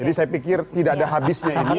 saya pikir tidak ada habisnya ini